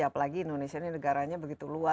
apalagi indonesia ini negaranya begitu luas